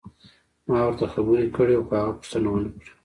ما ورته خبرې کړې وې خو هغه پوښتنه ونه کړه.